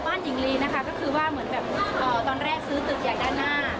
บ้านหญิงลีนะคะก็คือว่าตอนแรกซื้อตึกอย่างด้านหน้า